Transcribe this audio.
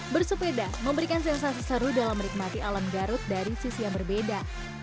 bersepeda memberikan sensasi seru dalam menikmati alam garut dari sisi yang berbeda